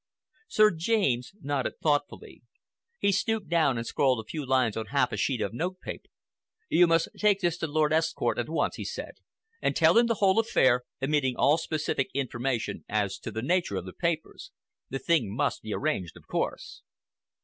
Sir James nodded thoughtfully. He stooped down and scrawled a few lines on half a sheet of note paper. "You must take this to Lord Estcourt at once," he said, "and tell him the whole affair, omitting all specific information as to the nature of the papers. The thing must be arranged, of course."